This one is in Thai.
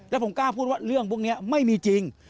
แล้วผมกล้าพูดว่าเรื่องพวกนี้ไม่มีจริง